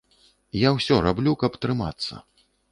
Я ўсё раблю, каб трымацца.